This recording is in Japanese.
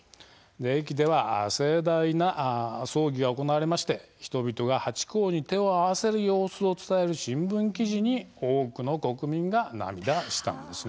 駅では盛大な葬儀が行われまして人々がハチ公に手を合わせる様子を伝える新聞記事に多くの国民が涙したんです。